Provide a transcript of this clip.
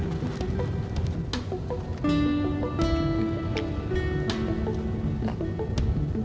dan yang lain